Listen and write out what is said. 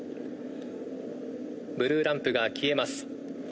ブルーランプが消えます。